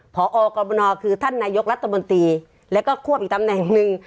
พอกรมนคือท่านนายกรัฐมนตรีแล้วก็ควบอีกตำแหน่งหนึ่ง